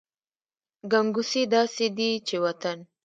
ګنګوسې داسې دي چې وطن …